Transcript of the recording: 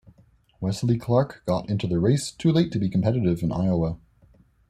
Wesley Clark got into the race too late to be competitive in Iowa.